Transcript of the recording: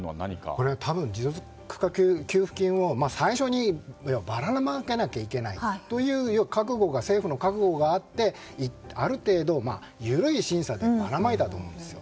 これは持続化給付金を最初にばらまかなきゃいけないという政府の覚悟があってある程度、緩い審査でばらまいたと思うんですよ。